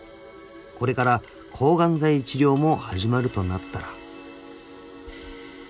［これから抗がん剤治療も始まるとなったら］